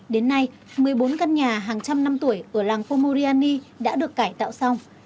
đến nay một mươi bốn căn nhà hàng trăm năm tuổi ở làng pomoriani đã được cải tạo xong